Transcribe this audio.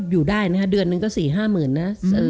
อยู่ได้นะคะเดือนหนึ่งก็๔๕๐๐๐นะ